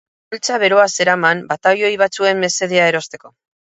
Poltsa beroa zeraman, batailoi batzuen mesedea erosteko.